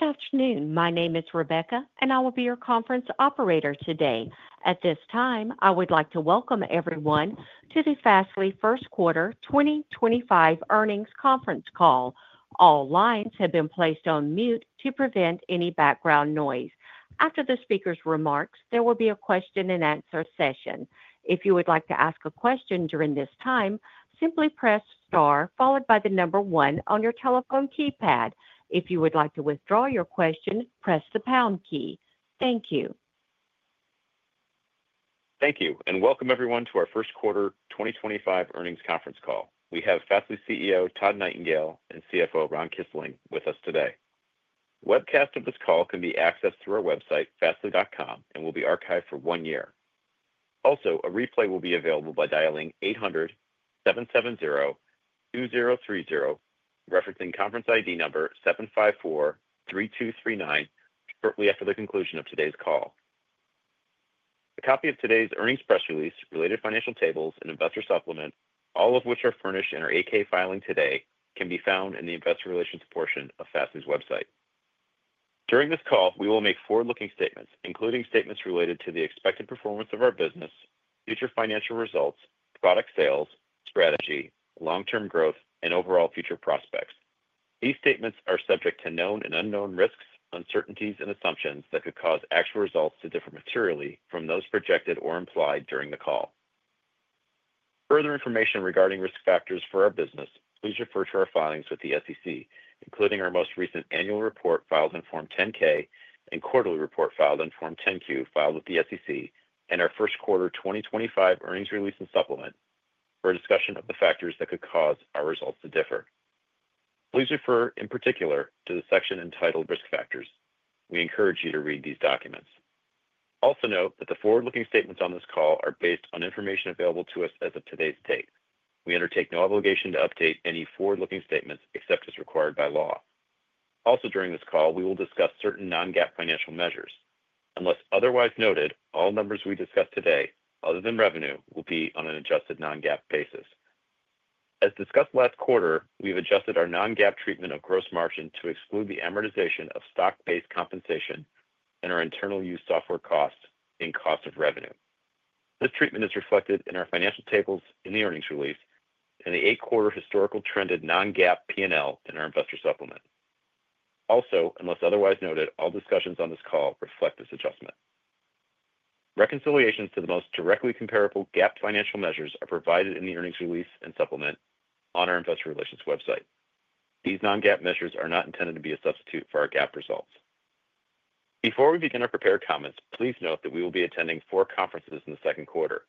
Good afternoon. My name is Rebecca, and I will be your conference operator today. At this time, I would like to welcome everyone to the Fastly First Quarter 2025 earnings conference call. All lines have been placed on mute to prevent any background noise. After the speaker's remarks, there will be a question-and-answer session. If you would like to ask a question during this time, simply press star followed by the number one on your telephone keypad. If you would like to withdraw your question, press the pound key. Thank you. Thank you, and welcome everyone to our First Quarter 2025 earnings conference call. We have Fastly CEO Todd Nightingale and CFO Ron Kisling with us today. Webcast of this call can be accessed through our website, fastly.com, and will be archived for one year. Also, a replay will be available by dialing 800-770-2030, referencing conference ID number 754-3239 shortly after the conclusion of today's call. A copy of today's earnings press release, related financial tables, and investor supplement, all of which are furnished in our AK filing today, can be found in the investor relations portion of Fastly's website. During this call, we will make forward-looking statements, including statements related to the expected performance of our business, future financial results, product sales, strategy, long-term growth, and overall future prospects. These statements are subject to known and unknown risks, uncertainties, and assumptions that could cause actual results to differ materially from those projected or implied during the call. For further information regarding risk factors for our business, please refer to our filings with the SEC, including our most recent annual report filed in Form 10-K and quarterly report filed in Form 10-Q filed with the SEC, and our First Quarter 2025 earnings release and supplement for a discussion of the factors that could cause our results to differ. Please refer in particular to the section entitled Risk Factors. We encourage you to read these documents. Also note that the forward-looking statements on this call are based on information available to us as of today's date. We undertake no obligation to update any forward-looking statements except as required by law. Also, during this call, we will discuss certain non-GAAP financial measures. Unless otherwise noted, all numbers we discuss today, other than revenue, will be on an adjusted non-GAAP basis. As discussed last quarter, we have adjusted our non-GAAP treatment of gross margin to exclude the amortization of stock-based compensation and our internal-use software costs in cost of revenue. This treatment is reflected in our financial tables in the earnings release and the eight-quarter historical trended non-GAAP P&L in our investor supplement. Also, unless otherwise noted, all discussions on this call reflect this adjustment. Reconciliations to the most directly comparable GAAP financial measures are provided in the earnings release and supplement on our investor relations website. These non-GAAP measures are not intended to be a substitute for our GAAP results. Before we begin our prepared comments, please note that we will be attending four conferences in the second quarter: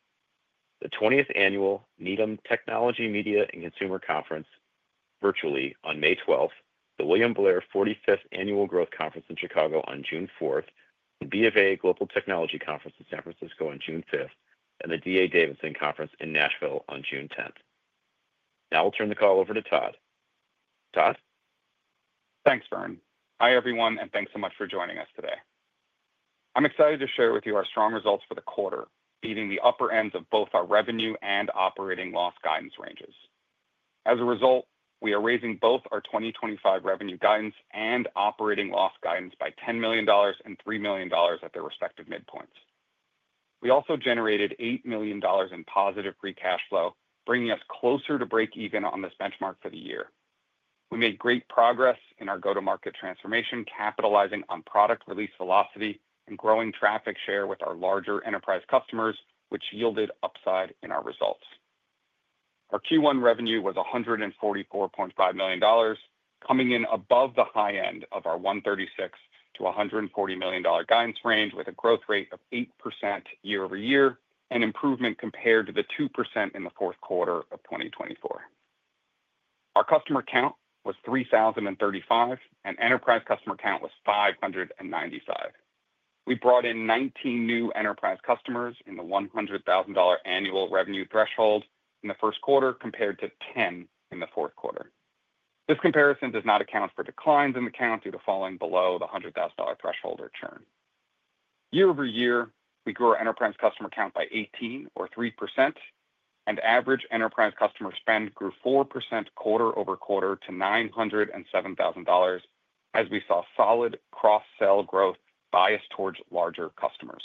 the 20th Annual NEOM Technology, Media, and Consumer Conference virtually on May 12th, the William Blair 45th Annual Growth Conference in Chicago on June 4th, the B of A Global Technology Conference in San Francisco on June 5th, and the D.A. Davidson Conference in Nashville on June 10th. Now I'll turn the call over to Todd. Todd? Thanks, Vern. Hi everyone, and thanks so much for joining us today. I'm excited to share with you our strong results for the quarter, beating the upper ends of both our revenue and operating loss guidance ranges. As a result, we are raising both our 2025 revenue guidance and operating loss guidance by $10 million and $3 million at their respective midpoints. We also generated $8 million in positive free cash flow, bringing us closer to break-even on this benchmark for the year. We made great progress in our go-to-market transformation, capitalizing on product release velocity and growing traffic share with our larger enterprise customers, which yielded upside in our results. Our Q1 revenue was $144.5 million, coming in above the high end of our $136 million-$140 million guidance range, with a growth rate of 8% year-over-year and improvement compared to the 2% in the fourth quarter of 2024. Our customer count was 3,035, and enterprise customer count was 595. We brought in 19 new enterprise customers in the $100,000 annual revenue threshold in the first quarter compared to 10 in the fourth quarter. This comparison does not account for declines in the count due to falling below the $100,000 threshold or churn. Year-over-year, we grew our enterprise customer count by 18 or 3%, and average enterprise customer spend grew 4% quarter-over-quarter to $907,000, as we saw solid cross-sell growth biased towards larger customers.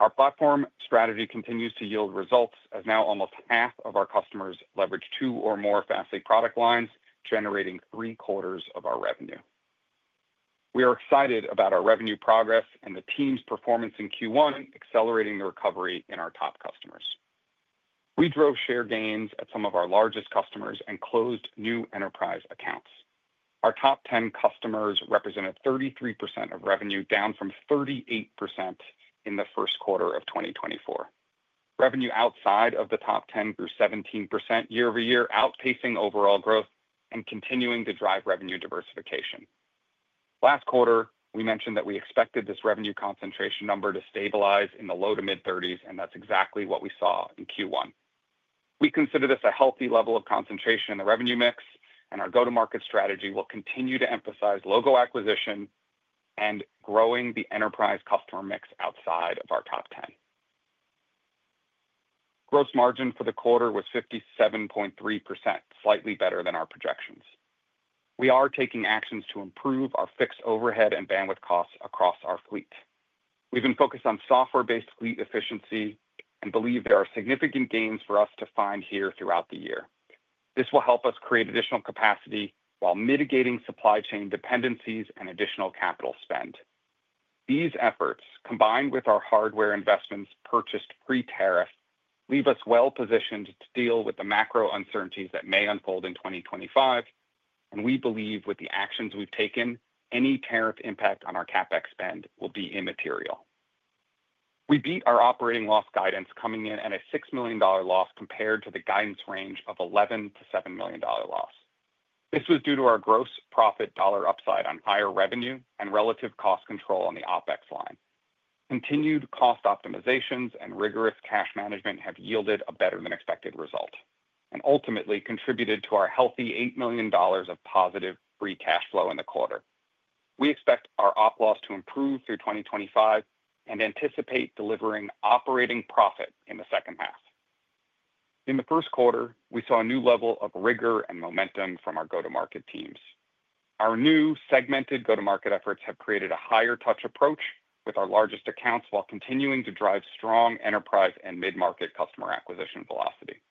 Our platform strategy continues to yield results, as now almost half of our customers leverage two or more Fastly product lines, generating three quarters of our revenue. We are excited about our revenue progress and the team's performance in Q1, accelerating the recovery in our top customers. We drove share gains at some of our largest customers and closed new enterprise accounts. Our top 10 customers represented 33% of revenue, down from 38% in the first quarter of 2024. Revenue outside of the top 10 grew 17% year-over-year, outpacing overall growth and continuing to drive revenue diversification. Last quarter, we mentioned that we expected this revenue concentration number to stabilize in the low to mid-30s, and that's exactly what we saw in Q1. We consider this a healthy level of concentration in the revenue mix, and our go-to-market strategy will continue to emphasize logo acquisition and growing the enterprise customer mix outside of our top 10. Gross margin for the quarter was 57.3%, slightly better than our projections. We are taking actions to improve our fixed overhead and bandwidth costs across our fleet. We've been focused on software-based fleet efficiency and believe there are significant gains for us to find here throughout the year. This will help us create additional capacity while mitigating supply chain dependencies and additional capital spend. These efforts, combined with our hardware investments purchased pre-tariff, leave us well-positioned to deal with the macro uncertainties that may unfold in 2025, and we believe with the actions we've taken, any tariff impact on our CapEx spend will be immaterial. We beat our operating loss guidance, coming in at a $6 million loss compared to the guidance range of $11 million-$7 million loss. This was due to our gross profit dollar upside on higher revenue and relative cost control on the OpEx line. Continued cost optimizations and rigorous cash management have yielded a better-than-expected result and ultimately contributed to our healthy $8 million of positive free cash flow in the quarter. We expect our operating loss to improve through 2025 and anticipate delivering operating profit in the second half. In the first quarter, we saw a new level of rigor and momentum from our go-to-market teams. Our new segmented go-to-market efforts have created a higher-touch approach with our largest accounts while continuing to drive strong enterprise and mid-market customer acquisition velocity.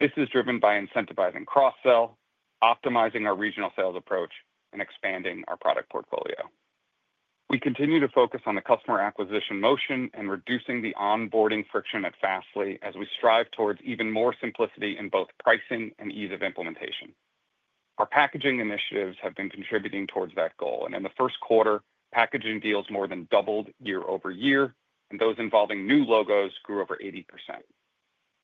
This is driven by incentivizing cross-sell, optimizing our regional sales approach, and expanding our product portfolio. We continue to focus on the customer acquisition motion and reducing the onboarding friction at Fastly as we strive towards even more simplicity in both pricing and ease of implementation. Our packaging initiatives have been contributing towards that goal, and in the first quarter, packaging deals more than doubled year-over-year, and those involving new logos grew over 80%.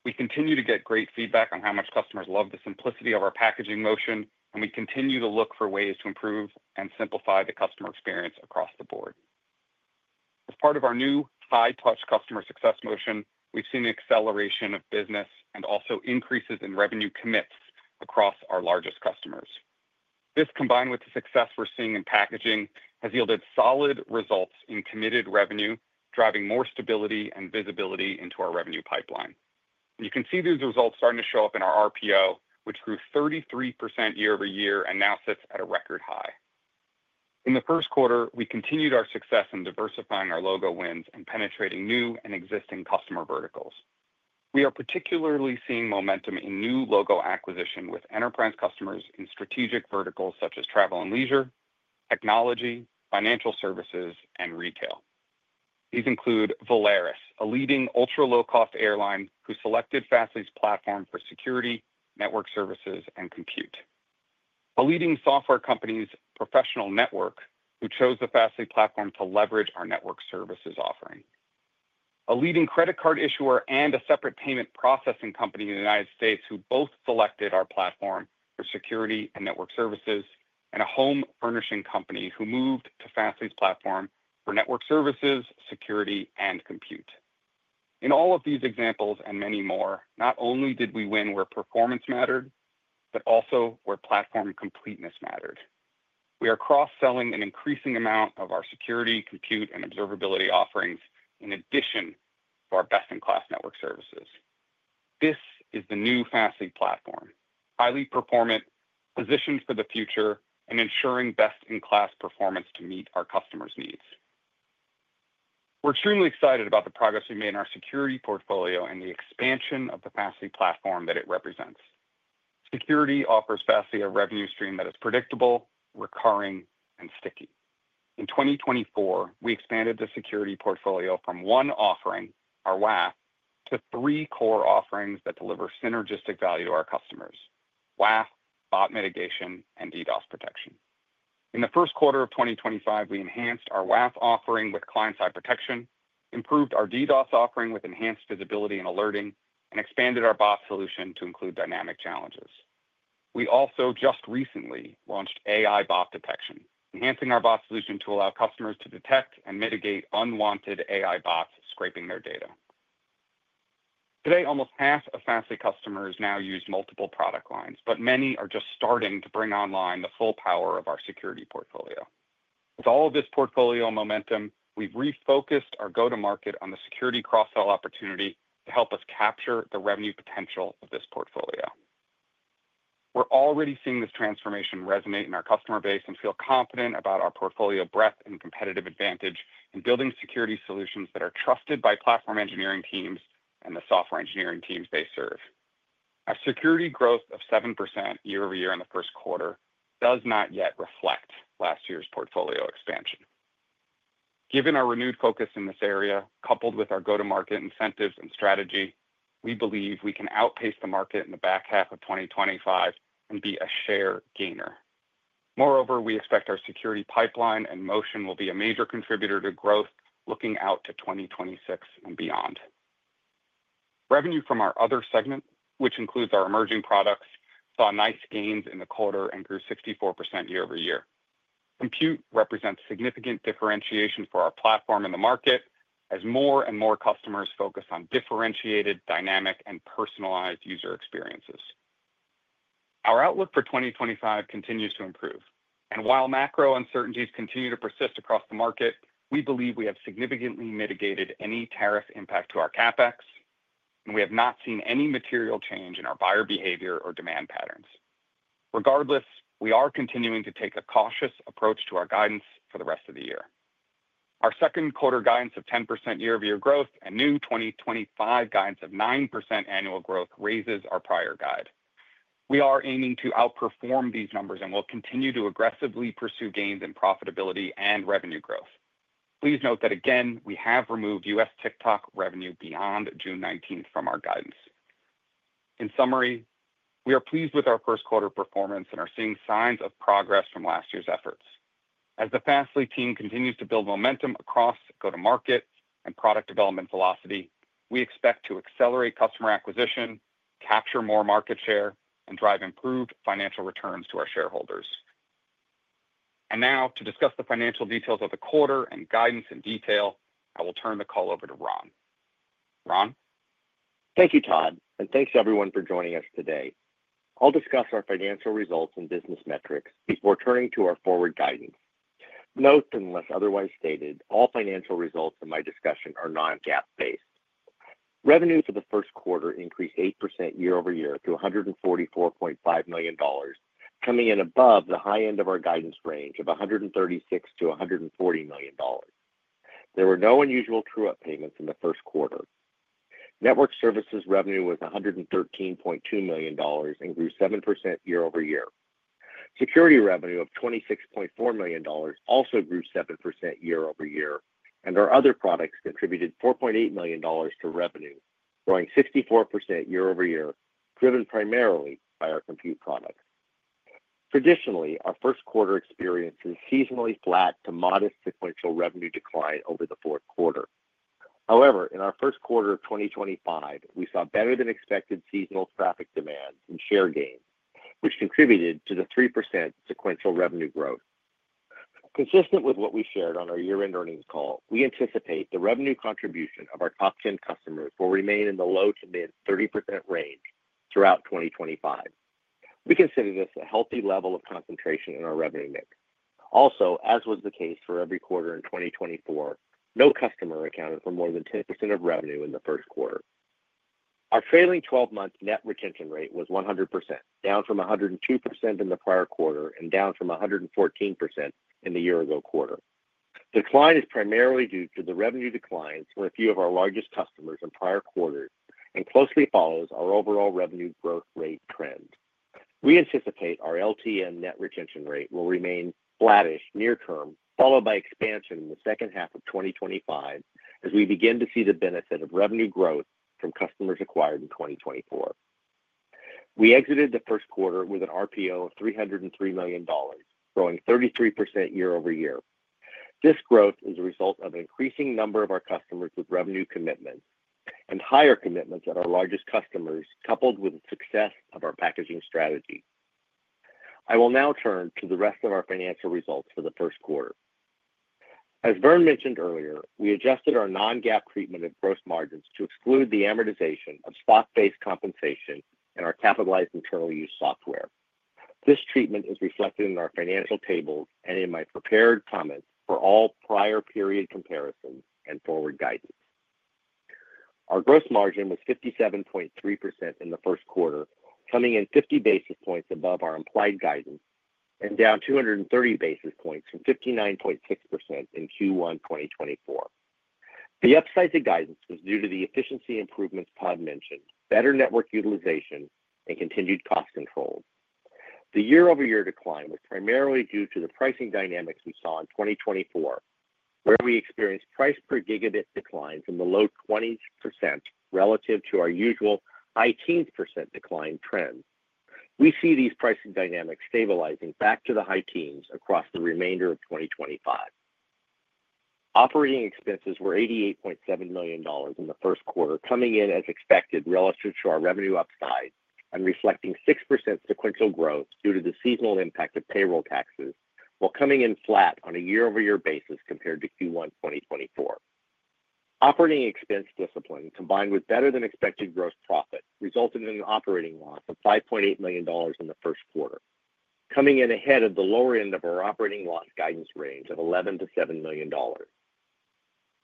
We continue to get great feedback on how much customers love the simplicity of our packaging motion, and we continue to look for ways to improve and simplify the customer experience across the board. As part of our new high-touch customer success motion, we've seen an acceleration of business and also increases in revenue commits across our largest customers. This, combined with the success we're seeing in packaging, has yielded solid results in committed revenue, driving more stability and visibility into our revenue pipeline. You can see these results starting to show up in our RPO, which grew 33% year-over-year and now sits at a record high. In the first quarter, we continued our success in diversifying our logo wins and penetrating new and existing customer verticals. We are particularly seeing momentum in new logo acquisition with enterprise customers in strategic verticals such as travel and leisure, technology, financial services, and retail. These include Volaris, a leading ultra-low-cost airline who selected Fastly's platform for security, network services, and compute, a leading software company's professional network who chose the Fastly platform to leverage our network services offering, a leading credit card issuer and a separate payment processing company in the United States who both selected our platform for security and network services, and a home furnishing company who moved to Fastly's platform for network services, security, and compute. In all of these examples and many more, not only did we win where performance mattered, but also where platform completeness mattered. We are cross-selling an increasing amount of our security, compute, and observability offerings in addition to our best-in-class network services. This is the new Fastly platform: highly performant, positioned for the future, and ensuring best-in-class performance to meet our customers' needs. We're extremely excited about the progress we made in our security portfolio and the expansion of the Fastly platform that it represents. Security offers Fastly a revenue stream that is predictable, recurring, and sticky. In 2024, we expanded the security portfolio from one offering, our WAF, to three core offerings that deliver synergistic value to our customers: WAF, Bot Mitigation, and DDoS protection. In the first quarter of 2025, we enhanced our WAF offering with client-side protection, improved our DDoS offering with enhanced visibility and alerting, and expanded our bot solution to include dynamic challenges. We also just recently launched AI bot detection, enhancing our bot solution to allow customers to detect and mitigate unwanted AI bots scraping their data. Today, almost half of Fastly customers now use multiple product lines, but many are just starting to bring online the full power of our security portfolio. With all of this portfolio momentum, we have refocused our go-to-market on the security cross-sell opportunity to help us capture the revenue potential of this portfolio. We are already seeing this transformation resonate in our customer base and feel confident about our portfolio breadth and competitive advantage in building security solutions that are trusted by platform engineering teams and the software engineering teams they serve. Our security growth of 7% year-over-year in the first quarter does not yet reflect last year's portfolio expansion. Given our renewed focus in this area, coupled with our go-to-market incentives and strategy, we believe we can outpace the market in the back half of 2025 and be a share gainer. Moreover, we expect our security pipeline and motion will be a major contributor to growth looking out to 2026 and beyond. Revenue from our other segment, which includes our emerging products, saw nice gains in the quarter and grew 64% year-over-year. Compute represents significant differentiation for our platform in the market as more and more customers focus on differentiated, dynamic, and personalized user experiences. Our outlook for 2025 continues to improve, and while macro uncertainties continue to persist across the market, we believe we have significantly mitigated any tariff impact to our CapEx, and we have not seen any material change in our buyer behavior or demand patterns. Regardless, we are continuing to take a cautious approach to our guidance for the rest of the year. Our second quarter guidance of 10% year-over-year growth and new 2025 guidance of 9% annual growth raises our prior guide. We are aiming to outperform these numbers and will continue to aggressively pursue gains in profitability and revenue growth. Please note that again, we have removed U.S. TikTok revenue beyond June 19th from our guidance. In summary, we are pleased with our first quarter performance and are seeing signs of progress from last year's efforts. As the Fastly team continues to build momentum across go-to-market and product development velocity, we expect to accelerate customer acquisition, capture more market share, and drive improved financial returns to our shareholders. Now, to discuss the financial details of the quarter and guidance in detail, I will turn the call over to Ron. Ron? Thank you, Todd, and thanks everyone for joining us today. I'll discuss our financial results and business metrics before turning to our forward guidance. Note that unless otherwise stated, all financial results in my discussion are non-GAAP-based. Revenue for the first quarter increased 8% year-over-year to $144.5 million, coming in above the high end of our guidance range of $136-$140 million. There were no unusual true-up payments in the first quarter. Network services revenue was $113.2 million and grew 7% year-over-year. Security revenue of $26.4 million also grew 7% year-over-year, and our other products contributed $4.8 million to revenue, growing 64% year-over-year, driven primarily by our compute products. Traditionally, our first quarter experienced a seasonally flat to modest sequential revenue decline over the fourth quarter. However, in our first quarter of 2025, we saw better-than-expected seasonal traffic demand and share gains, which contributed to the 3% sequential revenue growth. Consistent with what we shared on our year-end earnings call, we anticipate the revenue contribution of our top 10 customers will remain in the low to mid 30% range throughout 2025. We consider this a healthy level of concentration in our revenue mix. Also, as was the case for every quarter in 2024, no customer accounted for more than 10% of revenue in the first quarter. Our trailing 12-month net retention rate was 100%, down from 102% in the prior quarter and down from 114% in the year-ago quarter. Decline is primarily due to the revenue declines for a few of our largest customers in prior quarters and closely follows our overall revenue growth rate trend. We anticipate our LTN net retention rate will remain flattish near-term, followed by expansion in the second half of 2025 as we begin to see the benefit of revenue growth from customers acquired in 2024. We exited the first quarter with an RPO of $303 million, growing 33% year-over-year. This growth is a result of an increasing number of our customers with revenue commitments and higher commitments at our largest customers, coupled with the success of our packaging strategy. I will now turn to the rest of our financial results for the first quarter. As Vern mentioned earlier, we adjusted our non-GAAP treatment of gross margins to exclude the amortization of stock-based compensation in our capitalized internal use software. This treatment is reflected in our financial tables and in my prepared comments for all prior period comparisons and forward guidance. Our gross margin was 57.3% in the first quarter, coming in 50 basis points above our implied guidance and down 230 basis points from 59.6% in Q1 2024. The upside to guidance was due to the efficiency improvements Todd mentioned, better network utilization, and continued cost controls. The year-over-year decline was primarily due to the pricing dynamics we saw in 2024, where we experienced price per gigabit decline from the low 20% relative to our usual high teens percent decline trend. We see these pricing dynamics stabilizing back to the high teens across the remainder of 2025. Operating expenses were $88.7 million in the first quarter, coming in as expected relative to our revenue upside and reflecting 6% sequential growth due to the seasonal impact of payroll taxes, while coming in flat on a year-over-year basis compared to Q1 2024. Operating expense discipline, combined with better-than-expected gross profit, resulted in an operating loss of $5.8 million in the first quarter, coming in ahead of the lower end of our operating loss guidance range of $11 million-$7 million.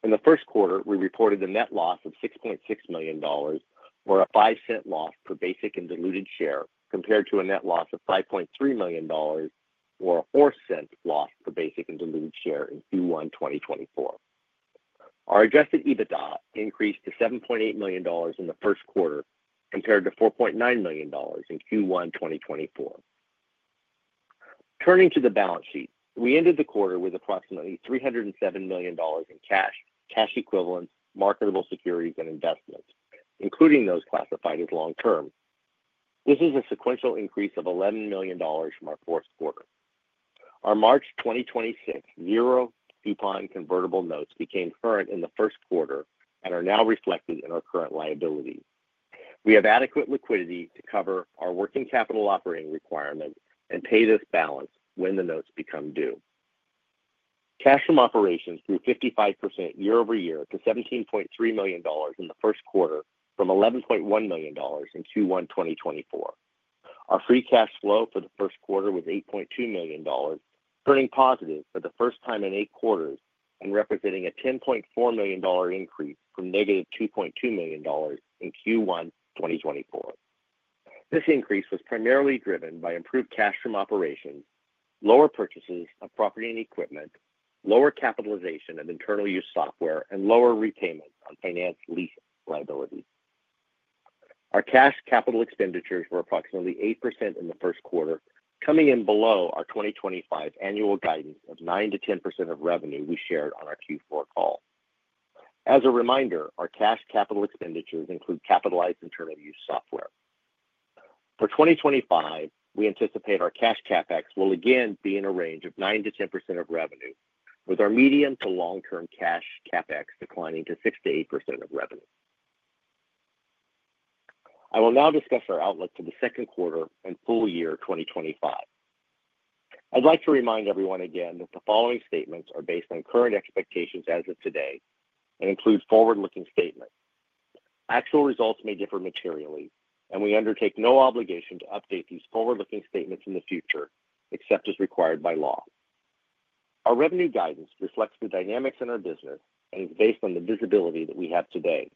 In the first quarter, we reported a net loss of $6.6 million, or a 5% loss per basic and diluted share, compared to a net loss of $5.3 million, or a 4% loss per basic and diluted share in Q1 2024. Our adjusted EBITDA increased to $7.8 million in the first quarter, compared to $4.9 million in Q1 2024. Turning to the balance sheet, we ended the quarter with approximately $307 million in cash, cash equivalents, marketable securities, and investments, including those classified as long-term. This is a sequential increase of $11 million from our fourth quarter. Our March 2026 zero-coupon convertible notes became current in the first quarter and are now reflected in our current liabilities. We have adequate liquidity to cover our working capital operating requirements and pay this balance when the notes become due. Cash from operations grew 55% year-over-year to $17.3 million in the first quarter from $11.1 million in Q1 2024. Our free cash flow for the first quarter was $8.2 million, turning positive for the first time in eight quarters and representing a $10.4 million increase from -$2.2 million in Q1 2024. This increase was primarily driven by improved cash from operations, lower purchases of property and equipment, lower capitalization of internal use software, and lower repayments on finance lease liabilities. Our cash capital expenditures were approximately 8% in the first quarter, coming in below our 2025 annual guidance of 9%-10% of revenue we shared on our Q4 call. As a reminder, our cash capital expenditures include capitalized internal use software. For 2025, we anticipate our cash CapEx will again be in a range of 9%-10% of revenue, with our medium to long-term cash CapEx declining to 6%-8% of revenue. I will now discuss our outlook for the second quarter and full year 2025. I'd like to remind everyone again that the following statements are based on current expectations as of today and include forward-looking statements. Actual results may differ materially, and we undertake no obligation to update these forward-looking statements in the future, except as required by law. Our revenue guidance reflects the dynamics in our business and is based on the visibility that we have today.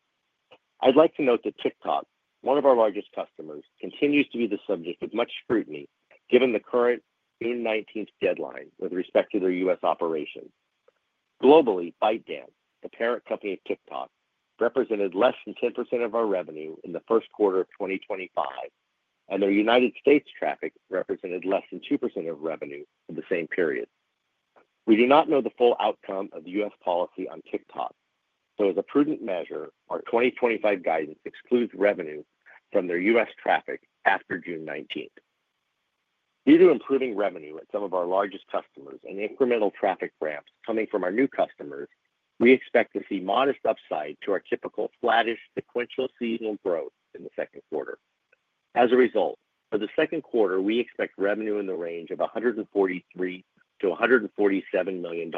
I'd like to note that TikTok, one of our largest customers, continues to be the subject of much scrutiny given the current June 19th deadline with respect to their U.S. operations. Globally, ByteDance, the parent company of TikTok, represented less than 10% of our revenue in the first quarter of 2025, and their United States traffic represented less than 2% of revenue for the same period. We do not know the full outcome of U.S. policy on TikTok, so as a prudent measure, our 2025 guidance excludes revenue from their U.S. traffic after June 19th. Due to improving revenue at some of our largest customers and incremental traffic ramps coming from our new customers, we expect to see modest upside to our typical flattish sequential seasonal growth in the second quarter. As a result, for the second quarter, we expect revenue in the range of $143 million-$147 million,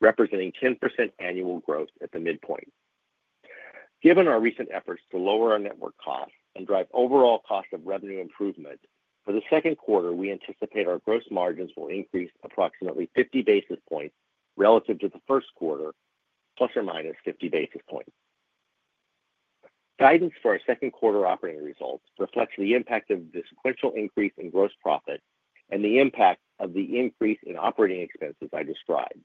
representing 10% annual growth at the midpoint. Given our recent efforts to lower our network costs and drive overall cost of revenue improvement, for the second quarter, we anticipate our gross margins will increase approximately 50 basis points relative to the first quarter, ±50 basis points. Guidance for our second quarter operating results reflects the impact of the sequential increase in gross profit and the impact of the increase in operating expenses I described.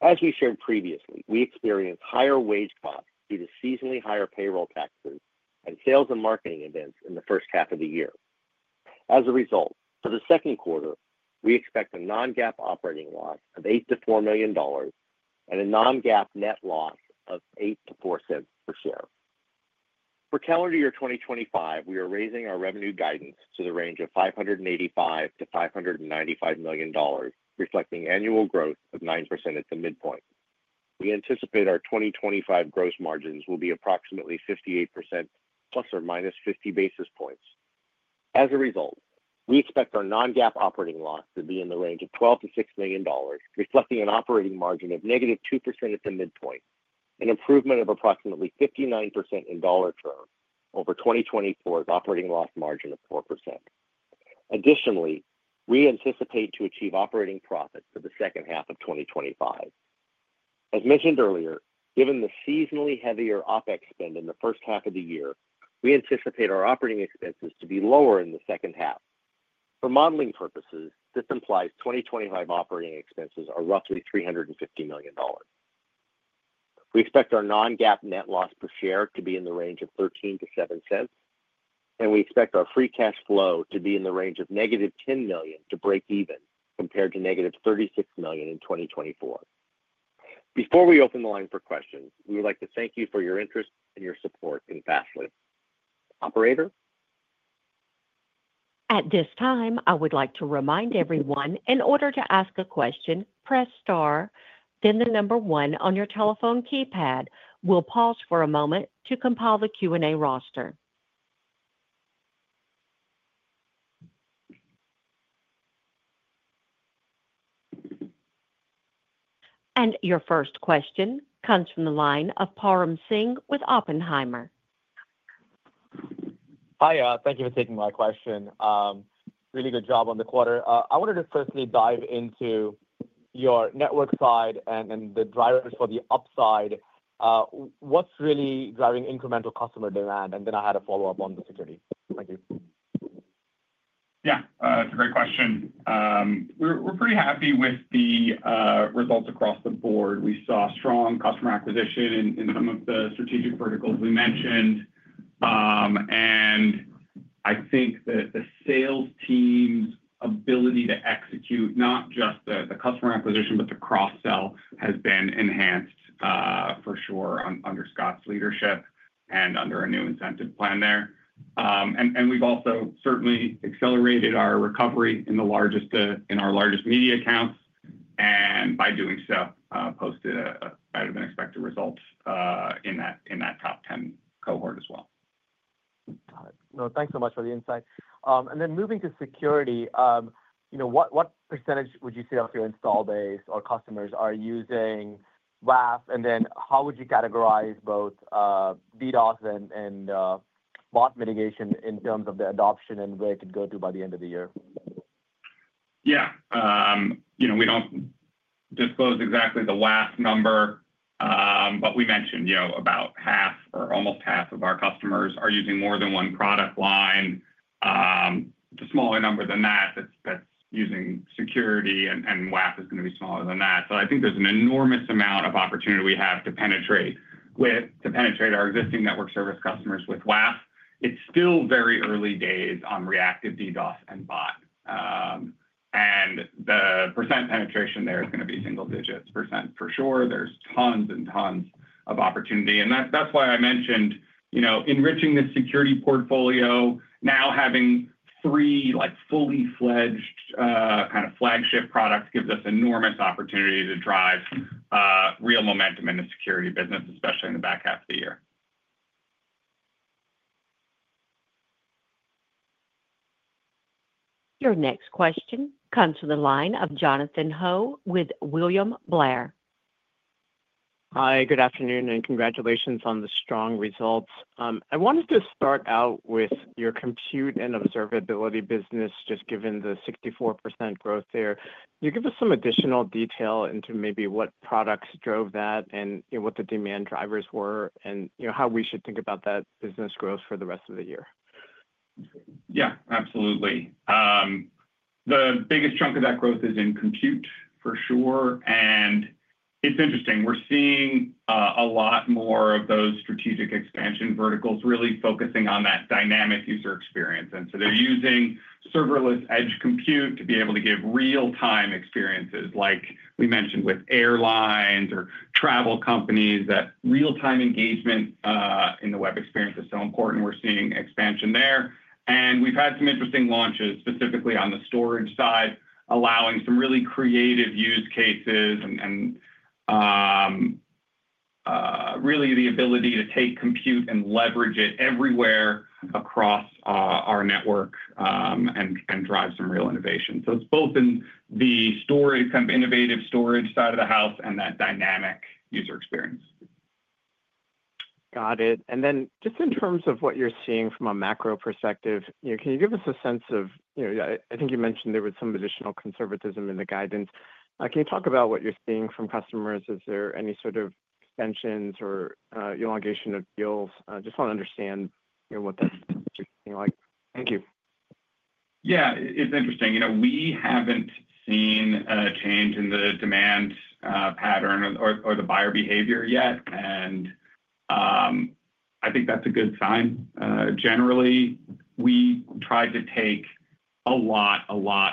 As we shared previously, we experience higher wage costs due to seasonally higher payroll taxes and sales and marketing events in the first half of the year. As a result, for the second quarter, we expect a non-GAAP operating loss of $8 million-$4 million and a non-GAAP net loss of $0.08-$0.04 per share. For calendar year 2025, we are raising our revenue guidance to the range of $585 million-$595 million, reflecting annual growth of 9% at the midpoint. We anticipate our 2025 gross margins will be approximately 58% ±50 basis points. As a result, we expect our non-GAAP operating loss to be in the range of $12 million-$6 million, reflecting an operating margin of -2% at the midpoint, an improvement of approximately 59% in dollar terms over 2024's operating loss margin of 4%. Additionally, we anticipate to achieve operating profits for the second half of 2025. As mentioned earlier, given the seasonally heavier OpEx spend in the first half of the year, we anticipate our operating expenses to be lower in the second half. For modeling purposes, this implies 2025 operating expenses are roughly $350 million. We expect our non-GAAP net loss per share to be in the range of $0.13-$0.07, and we expect our free cash flow to be in the range of -$10 million to break even compared -$36 million in 2024. Before we open the line for questions, we would like to thank you for your interest and your support in Fastly. Operator? At this time, I would like to remind everyone, in order to ask a question, press star, then the number one on your telephone keypad. We'll pause for a moment to compile the Q&A roster. Your first question comes from the line of Param Singh with Oppenheimer. Hi, thank you for taking my question. Really good job on the quarter. I wanted to firstly dive into your network side and the drivers for the upside. What's really driving incremental customer demand? I had a follow-up on the security. Thank you. Yeah, it's a great question. We're pretty happy with the results across the board. We saw strong customer acquisition in some of the strategic verticals we mentioned. I think that the sales team's ability to execute not just the customer acquisition, but the cross-sell has been enhanced for sure under Scott's leadership and under a new incentive plan there. We've also certainly accelerated our recovery in our largest media accounts. By doing so, we posted a better-than-expected result in that top 10 cohort as well. Got it. No, thanks so much for the insight. Moving to security, what percentage would you say of your install base or customers are using WAF? How would you categorize both DDoS and Bot Mitigation in terms of the adoption and where it could go to by the end of the year? Yeah. We do not disclose exactly the WAF number, but we mentioned about half or almost half of our customers are using more than one product line. It is a smaller number than that that is using security, and WAF is going to be smaller than that. I think there is an enormous amount of opportunity we have to penetrate our existing network service customers with WAF. It is still very early days on reactive DDoS and bot. The percent penetration there is going to be single digits percent for sure. There is tons and tons of opportunity. That is why I mentioned enriching the security portfolio. Now having three fully fledged kind of flagship products gives us enormous opportunity to drive real momentum in the security business, especially in the back half of the year. Your next question comes to the line of Jonathan Ho with William Blair. Hi, good afternoon, and congratulations on the strong results. I wanted to start out with your Compute and Observability business, just given the 64% growth there. Can you give us some additional detail into maybe what products drove that and what the demand drivers were and how we should think about that business growth for the rest of the year? Yeah, absolutely. The biggest chunk of that growth is in compute for sure. It's interesting. We're seeing a lot more of those strategic expansion verticals really focusing on that dynamic user experience. They're using serverless edge compute to be able to give real-time experiences, like we mentioned, with airlines or travel companies. That real-time engagement in the web experience is so important. We're seeing expansion there. We've had some interesting launches specifically on the storage side, allowing some really creative use cases and really the ability to take compute and leverage it everywhere across our network and drive some real innovation. It's both in the innovative storage side of the house and that dynamic user experience. Got it. In terms of what you're seeing from a macro perspective, can you give us a sense of, I think you mentioned there was some additional conservatism in the guidance. Can you talk about what you're seeing from customers? Is there any sort of extensions or elongation of deals? I just want to understand what that's looking like. Thank you. Yeah, it's interesting. We haven't seen a change in the demand pattern or the buyer behavior yet. I think that's a good sign. Generally, we tried to take a lot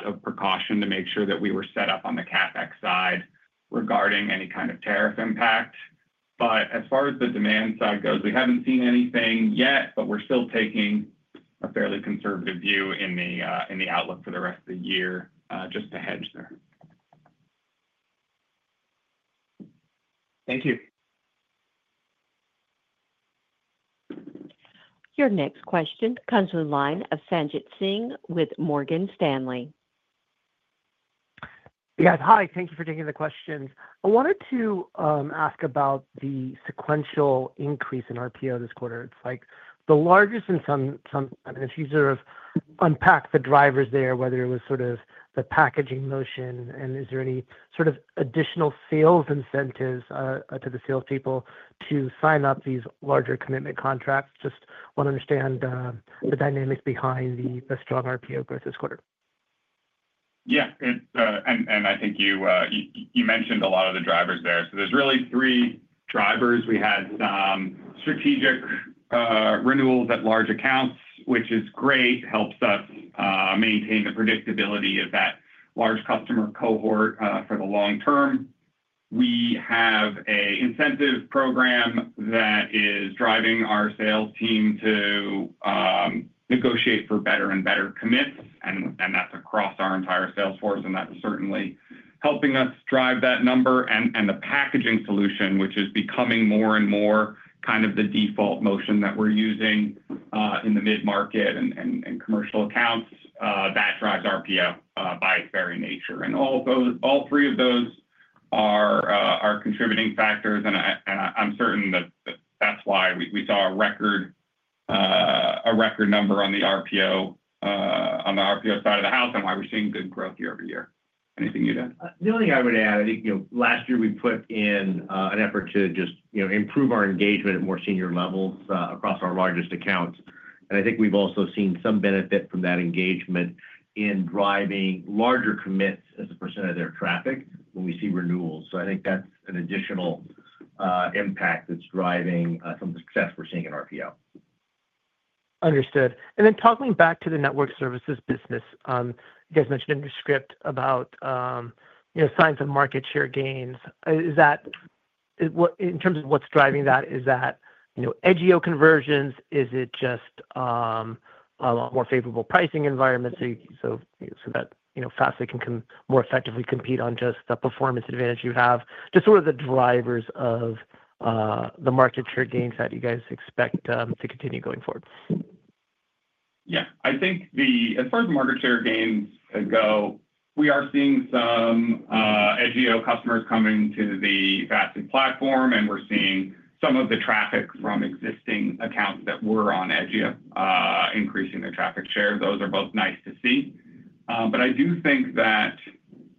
of precaution to make sure that we were set up on the CapEx side regarding any kind of tariff impact. As far as the demand side goes, we haven't seen anything yet, but we're still taking a fairly conservative view in the outlook for the rest of the year just to hedge there. Thank you. Your next question comes to the line of Sanjit Singh with Morgan Stanley. Yes, hi. Thank you for taking the questions. I wanted to ask about the sequential increase in RPO this quarter. It's like the largest in some, I mean, if you sort of unpack the drivers there, whether it was sort of the packaging motion and is there any sort of additional sales incentives to the salespeople to sign up these larger commitment contracts? Just want to understand the dynamics behind the strong RPO growth this quarter. Yeah. I think you mentioned a lot of the drivers there. There are really three drivers. We had some strategic renewals at large accounts, which is great. Helps us maintain the predictability of that large customer cohort for the long term. We have an incentive program that is driving our sales team to negotiate for better and better commits. That is across our entire salesforce. That is certainly helping us drive that number. The packaging solution, which is becoming more and more kind of the default motion that we are using in the mid-market and commercial accounts, drives RPO by its very nature. All three of those are contributing factors. I am certain that is why we saw a record number on the RPO side of the house and why we are seeing good growth year-over-year. Anything you would add? The only thing I would add, I think last year we put in an effort to just improve our engagement at more senior levels across our largest accounts. I think we've also seen some benefit from that engagement in driving larger commits as a percent of their traffic when we see renewals. I think that's an additional impact that's driving some of the success we're seeing in RPO. Understood. Talking back to the network services business, you guys mentioned in your script about signs of market share gains. In terms of what is driving that, is that edge-io conversions? Is it just a lot more favorable pricing environment so that Fastly can more effectively compete on just the performance advantage you have? Just sort of the drivers of the market share gains that you guys expect to continue going forward. Yeah. I think as far as market share gains go, we are seeing some edge-io customers coming to the Fastly platform. We are seeing some of the traffic from existing accounts that were on edge-io increasing their traffic share. Those are both nice to see. I do think that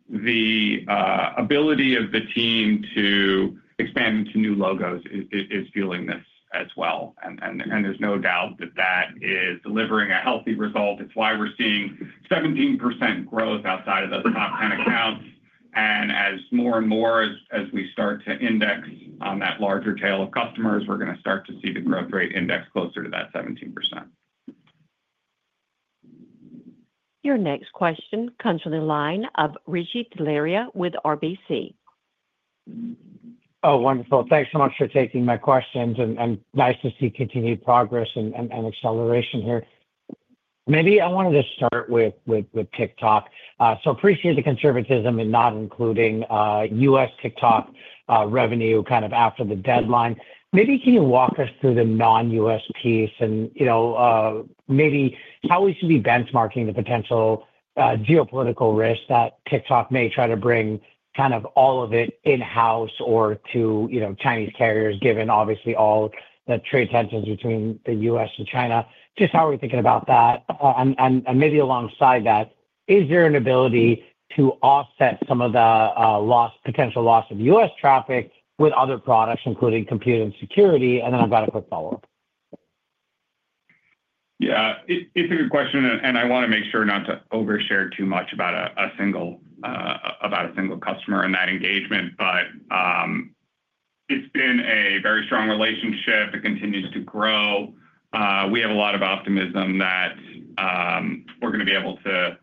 the ability of the team to expand into new logos is fueling this as well. There is no doubt that that is delivering a healthy result. It is why we are seeing 17% growth outside of those top 10 accounts. As more and more as we start to index on that larger tail of customers, we are going to start to see the growth rate index closer to that 17%. Your next question comes from the line of Rishi Jaluria with RBC. Oh, wonderful. Thanks so much for taking my questions. Nice to see continued progress and acceleration here. Maybe I wanted to start with TikTok. I appreciate the conservatism in not including U.S. TikTok revenue kind of after the deadline. Can you walk us through the non-U.S. piece and maybe how we should be benchmarking the potential geopolitical risk that TikTok may try to bring all of it in-house or to Chinese carriers, given obviously all the trade tensions between the U.S. and China? Just how are we thinking about that? Maybe alongside that, is there an ability to offset some of the potential loss of U.S. traffic with other products, including compute and security? I have a quick follow-up. Yeah. It's a good question. I want to make sure not to overshare too much about a single customer and that engagement. It's been a very strong relationship. It continues to grow. We have a lot of optimism that we're going to be able to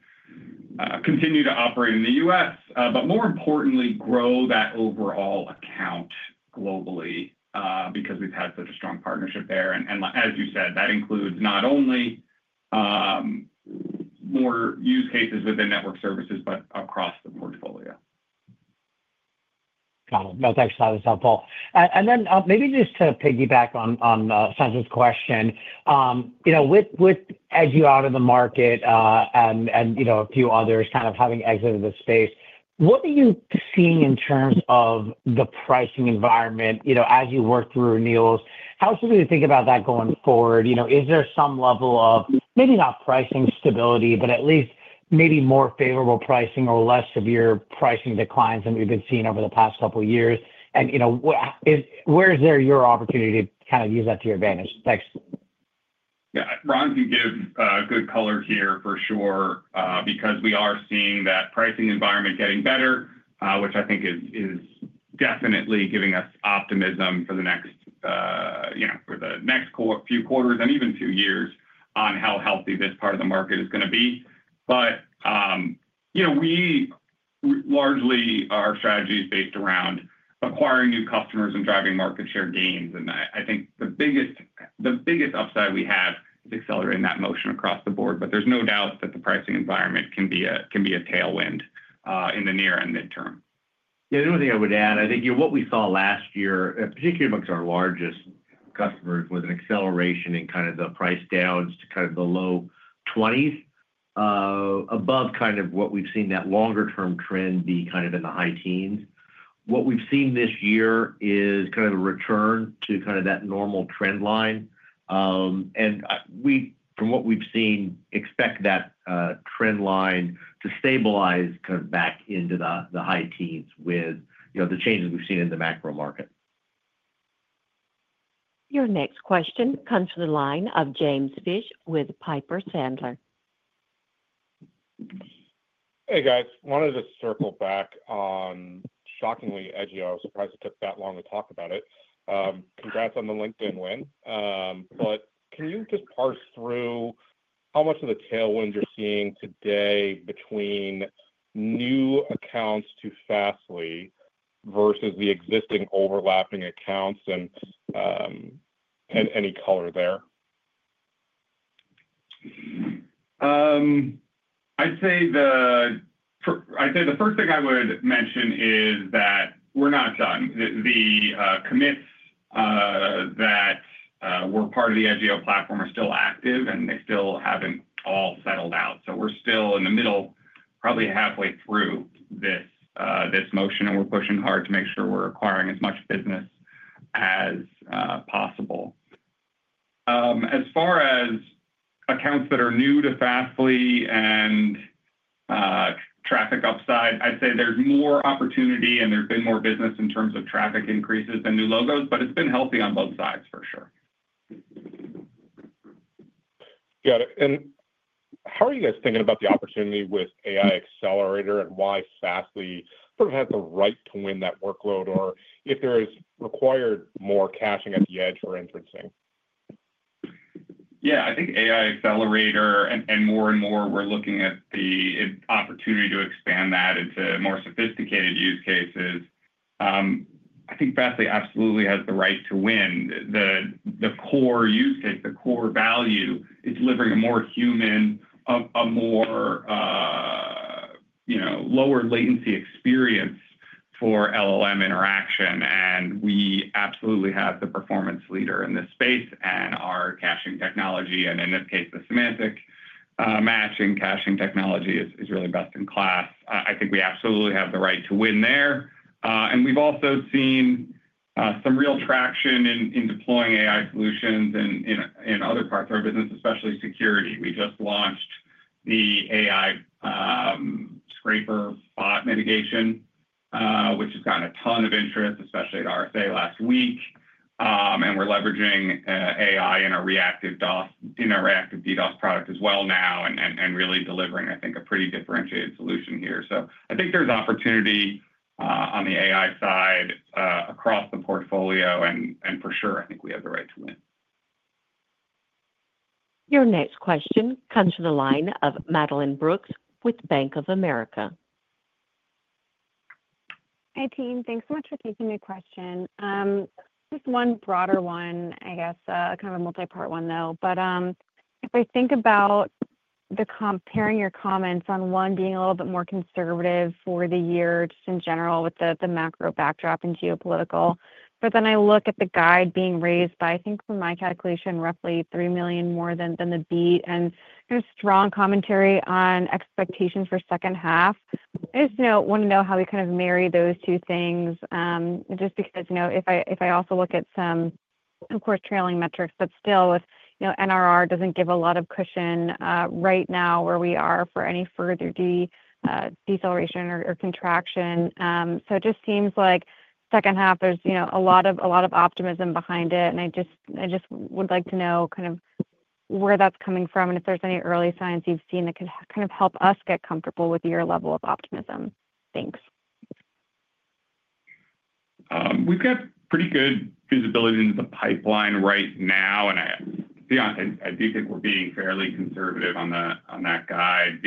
continue to operate in the U.S., but more importantly, grow that overall account globally because we've had such a strong partnership there. As you said, that includes not only more use cases within network services, but across the portfolio. Got it. No, thanks. That was helpful. Maybe just to piggyback on Sanjit's question, with edge-io out of the market and a few others kind of having exited the space, what are you seeing in terms of the pricing environment as you work through renewals? How should we think about that going forward? Is there some level of maybe not pricing stability, but at least maybe more favorable pricing or less severe pricing declines than we've been seeing over the past couple of years? Where is there your opportunity to kind of use that to your advantage? Thanks. Yeah. Ron can give good color here for sure because we are seeing that pricing environment getting better, which I think is definitely giving us optimism for the next few quarters and even two years on how healthy this part of the market is going to be. Largely, our strategy is based around acquiring new customers and driving market share gains. I think the biggest upside we have is accelerating that motion across the board. There is no doubt that the pricing environment can be a tailwind in the near and midterm. Yeah. The only thing I would add, I think what we saw last year, particularly amongst our largest customers, was an acceleration in kind of the price downs to kind of the low 20s, above kind of what we've seen that longer-term trend be kind of in the high teens. What we've seen this year is kind of a return to kind of that normal trend line. From what we've seen, expect that trend line to stabilize kind of back into the high teens with the changes we've seen in the macro market. Your next question comes to the line of James Fish with Piper Sandler. Hey, guys. I wanted to circle back on, shockingly, edge-io. Surprised it took that long to talk about it. Congrats on the LinkedIn win. Can you just parse through how much of the tailwind you're seeing today between new accounts to Fastly versus the existing overlapping accounts and any color there? I'd say the first thing I would mention is that we're not done. The commits that were part of the edge-io platform are still active, and they still haven't all settled out. We are still in the middle, probably halfway through this motion. We are pushing hard to make sure we're acquiring as much business as possible. As far as accounts that are new to Fastly and traffic upside, I'd say there's more opportunity and there's been more business in terms of traffic increases than new logos, but it's been healthy on both sides, for sure. Got it. How are you guys thinking about the opportunity with AI Accelerator and why Fastly sort of has the right to win that workload or if there is required more caching at the edge for inferencing? Yeah. I think AI Accelerator and more and more, we're looking at the opportunity to expand that into more sophisticated use cases. I think Fastly absolutely has the right to win. The core use case, the core value, is delivering a more human, a more lower-latency experience for LLM interaction. We absolutely have the performance leader in this space and our caching technology. In this case, the semantic match and caching technology is really best in class. I think we absolutely have the right to win there. We've also seen some real traction in deploying AI solutions in other parts of our business, especially security. We just launched the AI Scraper Bot Mitigation, which has gotten a ton of interest, especially at RSA last week. We're leveraging AI in our reactive DDoS product as well now and really delivering, I think, a pretty differentiated solution here. I think there's opportunity on the AI side across the portfolio. And for sure, I think we have the right to win. Your next question comes to the line of Madeline Brooks with Bank of America. Hey, team. Thanks so much for taking the question. Just one broader one, I guess, kind of a multi-part one though. If I think about pairing your comments on one being a little bit more conservative for the year just in general with the macro backdrop and geopolitical. If I look at the guide being raised by, I think from my calculation, roughly $3 million more than the beat. There's strong commentary on expectations for second half. I just want to know how we kind of marry those two things just because if I also look at some, of course, trailing metrics, but still with NRR doesn't give a lot of cushion right now where we are for any further deceleration or contraction. It just seems like second half, there's a lot of optimism behind it. I just would like to know kind of where that's coming from and if there's any early signs you've seen that could kind of help us get comfortable with your level of optimism. Thanks. We've got pretty good visibility into the pipeline right now. To be honest, I do think we're being fairly conservative on that guide.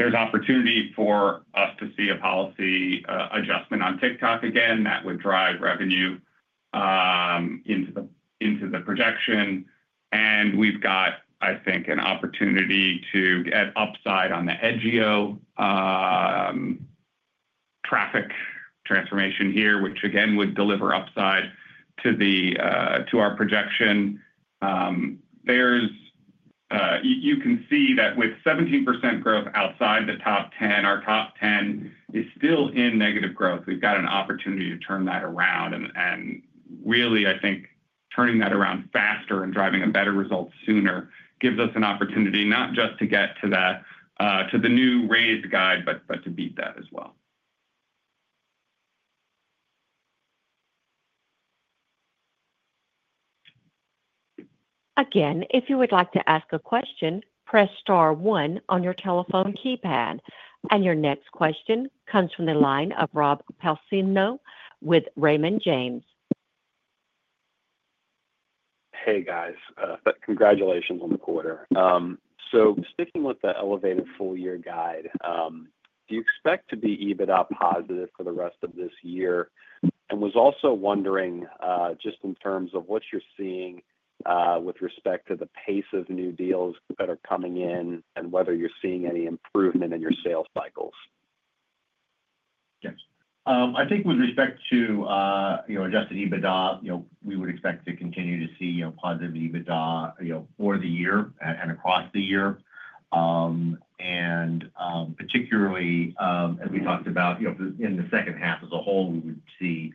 There's opportunity for us to see a policy adjustment on TikTok again that would drive revenue into the projection. We've got, I think, an opportunity to get upside on the edge-io traffic transformation here, which again would deliver upside to our projection. You can see that with 17% growth outside the top 10, our top 10 is still in negative growth. We've got an opportunity to turn that around. Really, I think turning that around faster and driving a better result sooner gives us an opportunity not just to get to the new raised guide, but to beat that as well. Again, if you would like to ask a question, press star one on your telephone keypad. Your next question comes from the line of Rob Palmisano with Raymond James. Hey, guys. Congratulations on the quarter. Sticking with the elevated full-year guide, do you expect to be EBITDA positive for the rest of this year? I was also wondering just in terms of what you're seeing with respect to the pace of new deals that are coming in and whether you're seeing any improvement in your sales cycles. Yes. I think with respect to adjusted EBITDA, we would expect to continue to see positive EBITDA for the year and across the year. Particularly, as we talked about in the second half as a whole, we would see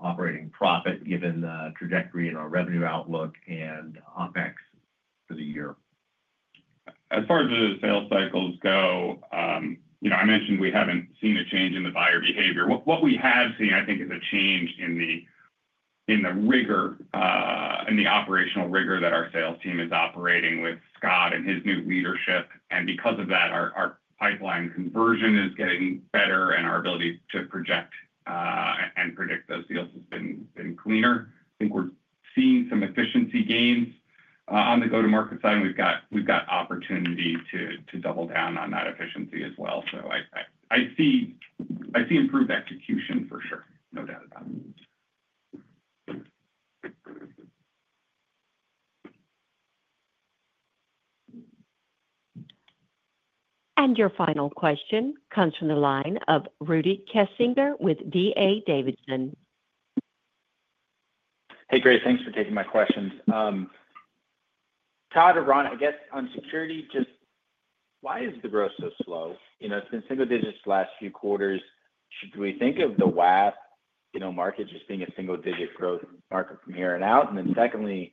operating profit given the trajectory in our revenue outlook and OpEx for the year. As far as the sales cycles go, I mentioned we haven't seen a change in the buyer behavior. What we have seen, I think, is a change in the rigor and the operational rigor that our sales team is operating with Scott and his new leadership. Because of that, our pipeline conversion is getting better. Our ability to project and predict those deals has been cleaner. I think we're seeing some efficiency gains on the go-to-market side. We've got opportunity to double down on that efficiency as well. I see improved execution for sure. No doubt about it. Your final question comes from the line of Rudy Kessinger with D.A. Davidson. Hey, Grace. Thanks for taking my questions. Todd or Ron, I guess on security, just why is the growth so slow? It's been single digits the last few quarters. Should we think of the WAF market just being a single-digit growth market from here and out? Secondly,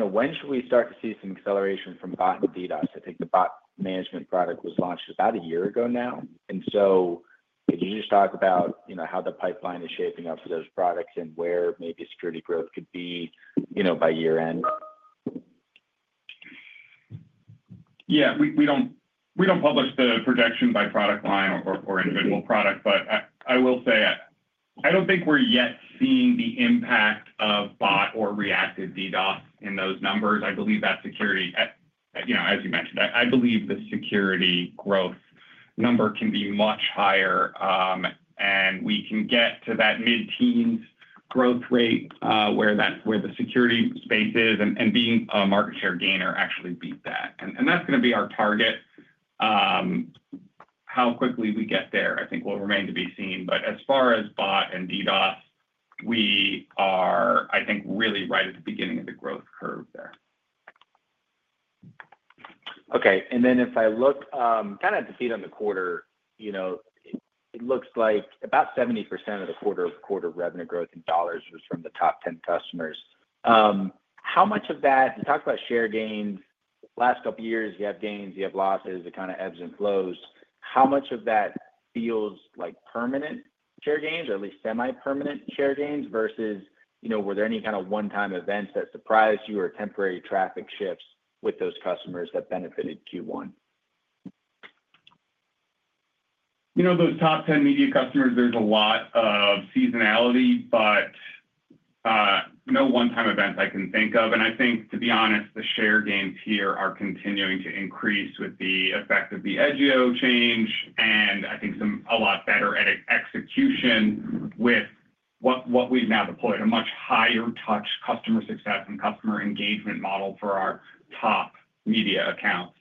when should we start to see some acceleration from bot and DDoS? I think the bot management product was launched about a year ago now. Could you just talk about how the pipeline is shaping up for those products and where maybe security growth could be by year-end? Yeah. We do not publish the projection by product line or individual product. I will say I do not think we are yet seeing the impact of bot or reactive DDoS in those numbers. I believe that security, as you mentioned, I believe the security growth number can be much higher. We can get to that mid-teens growth rate where the security space is and, being a market share gainer, actually beat that. That is going to be our target. How quickly we get there, I think, will remain to be seen. As far as bot and DDoS, we are, I think, really right at the beginning of the growth curve there. Okay. If I look kind of at the feed on the quarter, it looks like about 70% of the quarter-to-quarter revenue growth in dollars was from the top 10 customers. How much of that—you talked about share gains. Last couple of years, you have gains, you have losses, it kind of ebbs and flows. How much of that feels like permanent share gains or at least semi-permanent share gains versus were there any kind of one-time events that surprised you or temporary traffic shifts with those customers that benefited Q1? Those top 10 media customers, there's a lot of seasonality, but no one-time events I can think of. I think, to be honest, the share gains here are continuing to increase with the effect of the edge-io change. I think a lot better execution with what we've now deployed, a much higher-touch customer success and customer engagement model for our top media accounts.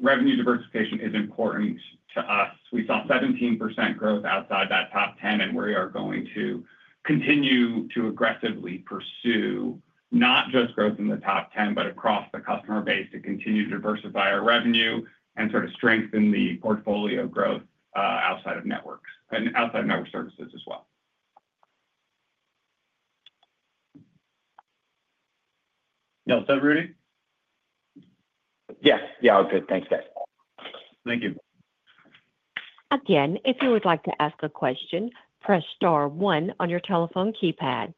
Revenue diversification is important to us. We saw 17% growth outside that top 10, and we are going to continue to aggressively pursue not just growth in the top 10, but across the customer base to continue to diversify our revenue and sort of strengthen the portfolio growth outside of networks and outside of network services as well. Y'all set ready? Yes. Yeah. All good. Thanks, guys. Thank you. Again, if you would like to ask a question, press star one on your telephone keypad.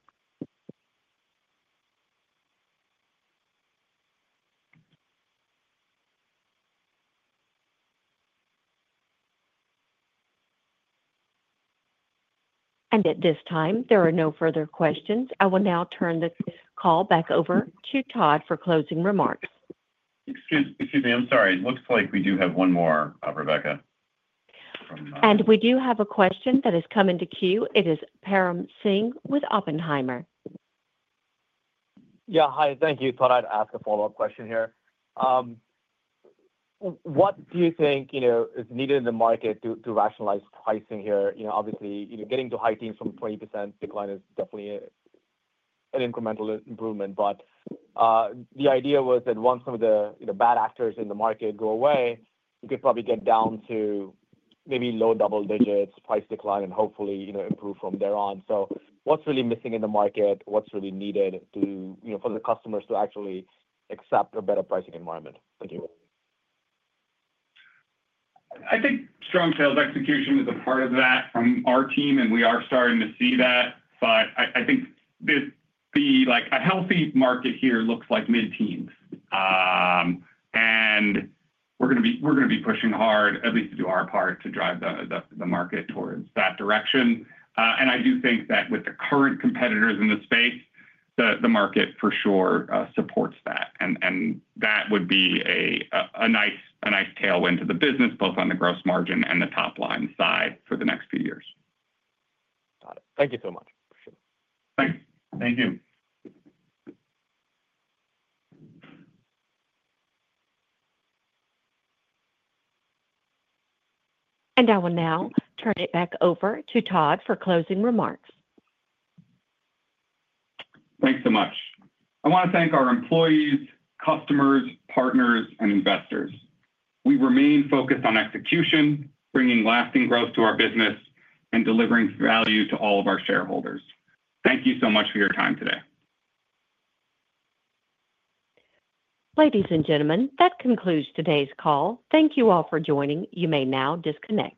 At this time, there are no further questions. I will now turn this call back over to Todd for closing remarks. Excuse me. I'm sorry. It looks like we do have one more, Rebecca. We do have a question that has come into queue. It is Param Singh with Oppenheimer. Yeah. Hi. Thank you. Thought I'd ask a follow-up question here. What do you think is needed in the market to rationalize pricing here? Obviously, getting to high teens from 20% decline is definitely an incremental improvement. The idea was that once some of the bad actors in the market go away, you could probably get down to maybe low double digits, price decline, and hopefully improve from there on. What's really missing in the market? What's really needed for the customers to actually accept a better pricing environment? Thank you. I think strong sales execution is a part of that from our team, and we are starting to see that. I think a healthy market here looks like mid-teens. We are going to be pushing hard, at least to do our part, to drive the market towards that direction. I do think that with the current competitors in the space, the market for sure supports that. That would be a nice tailwind to the business, both on the gross margin and the top line side for the next few years. Got it. Thank you so much I will now turn it back over to Todd for closing remarks. Thanks so much. I want to thank our employees, customers, partners, and investors. We remain focused on execution, bringing lasting growth to our business, and delivering value to all of our shareholders. Thank you so much for your time today. Ladies and gentlemen, that concludes today's call. Thank you all for joining. You may now disconnect.